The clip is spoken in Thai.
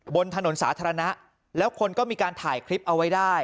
บนถนนสาธารณะแล้วคนก็มีการถ่ายคลิปเอาไว้ได้